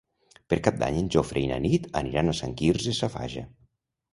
Per Cap d'Any en Jofre i na Nit aniran a Sant Quirze Safaja.